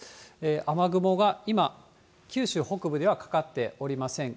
雨雲が今、九州北部ではかかっておりません。